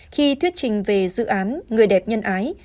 khi thuyết trình về dự án người đẹp nhân ái